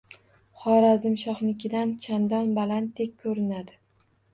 Xorazmshohnikidan chandon balanddek ko‘rinadi.